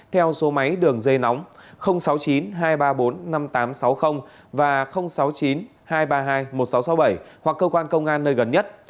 theo số máy đường dây nóng sáu mươi chín hai trăm ba mươi bốn năm nghìn tám trăm sáu mươi và sáu mươi chín hai trăm ba mươi hai một nghìn sáu trăm sáu mươi bảy hoặc cơ quan công an nơi gần nhất